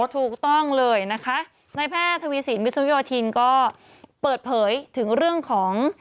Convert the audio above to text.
ถูกต้องเลยนะคะในแพทย์ทวีสินวิสุโยธินก็เปิดเผยถึงเรื่องของ